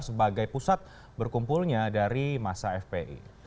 sebagai pusat berkumpulnya dari masa fpi